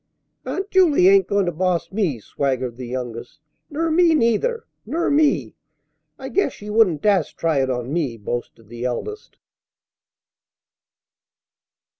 "Aunt Jule ain't goin' to boss me," swaggered the youngest. "Ner me, neither!" "Ner me!" "I guess she wouldn't dast try it on me!" boasted the eldest.